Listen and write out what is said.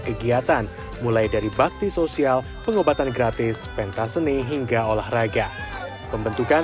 kegiatan mulai dari bakti sosial pengobatan gratis pentas seni hingga olahraga pembentukan